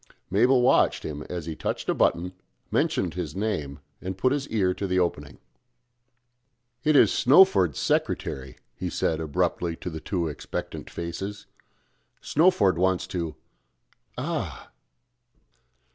Mabel watched him as he touched a button mentioned his name, and put his ear to the opening. "It is Snowford's secretary," he said abruptly to the two expectant faces. "Snowford wants to ah!"